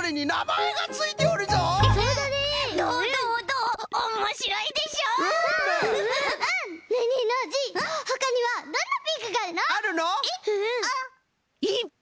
えっあっいっぱいあるよ！